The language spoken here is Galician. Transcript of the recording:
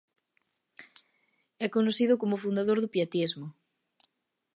É coñecido como o fundador do pietismo.